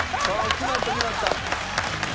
決まった決まった。